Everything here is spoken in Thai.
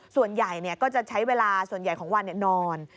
ส่วนใหญ่ก็จะใช้เวลาส่วนใหญ่ของวันนอน